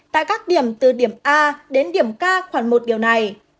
tại các điểm từ điểm a đến điểm k khoảng một điều này